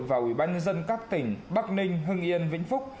và ủy ban nhân dân các tỉnh bắc ninh hưng yên vĩnh phúc